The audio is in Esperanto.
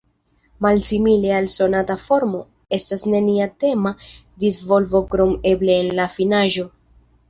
Malsimile al sonata formo, estas nenia tema disvolvo krom eble en la finaĵo.